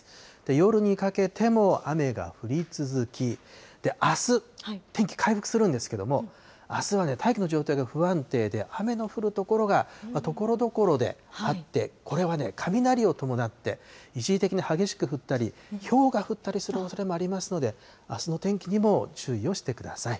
夜にかけても雨が降り続き、あす、天気回復するんですけれども、あすは大気の状態が不安定で、雨の降る所がところどころであって、これはね、雷を伴って一時的に激しく降ったり、ひょうが降ったりするおそれもありますので、あすの天気にも注意をしてください。